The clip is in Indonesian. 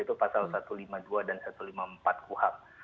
itu pasal satu ratus lima puluh dua dan satu ratus lima puluh empat kuhap